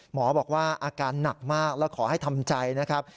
หมอบอกว่าอาการหนักมากแล้วขอให้ทำใจนะครับ